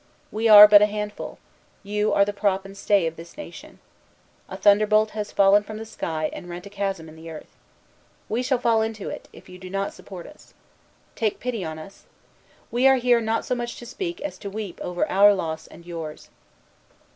"We are but a handful; you are the prop and stay of this nation. A thunderbolt has fallen from the sky, and rent a chasm in the earth. We shall fall into it, if you do not support us. Take pity on us. We are here, not so much to speak as to weep over our loss and yours.